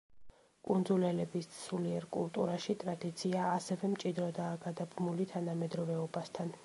კუნძულელების სულიერ კულტურაში ტრადიცია ასევე მჭიდროდაა გადაბმული თანამედროვეობასთან.